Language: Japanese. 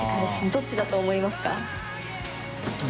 どっちだと思いますか？